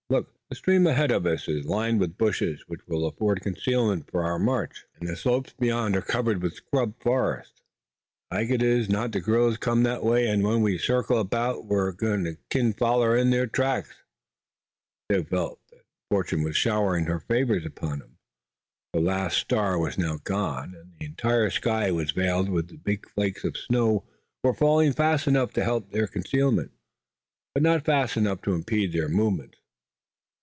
"Look! the stream ahead of us is lined with bushes which will afford concealment for our march, and the slopes beyond are covered with scrub forest." "Like ez not the gorillers come that way, an' when we circle about we kin foller in thar tracks." Dick felt that fortune was showering her favors upon him. The last star was now gone, and the entire sky was veiled. The big flakes of snow were falling fast enough to help their concealment, but not fast enough to impede their movements.